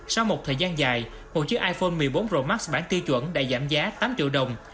sau một thời gian dài một chiếc iphone một mươi bốn pro max bản tiêu chuẩn đã giảm giá tám triệu đồng